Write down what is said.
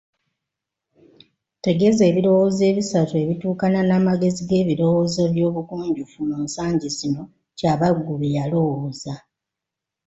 Tegeeza ebirowoozo ebisatu ebituukana n'amagezi g'ebirowoozo by'obugunjufu mu nsangi zino Kyabaggu bye yalowooza.